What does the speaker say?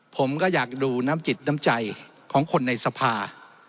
ผมก็อยากดูน้ำจิตน้ำใจของคนในสภา